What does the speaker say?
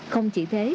không chỉ thế